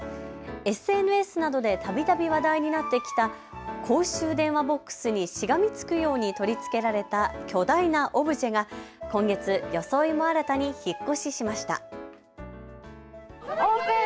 ＳＮＳなどでたびたび話題になってきた公衆電話ボックスにしがみつくように取り付けられた巨大なオブジェが今月、装いも新たに引っ越ししました。